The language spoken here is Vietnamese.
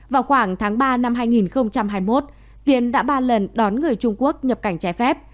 vào khoảng tháng ba năm hai nghìn hai mươi một tiến đã ba lần đón người trung quốc nhập cảnh trái phép